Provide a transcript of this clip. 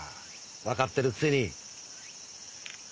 わかってるくせに。